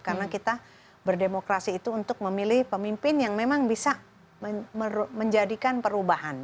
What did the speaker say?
karena kita berdemokrasi itu untuk memilih pemimpin yang memang bisa menjadikan perubahan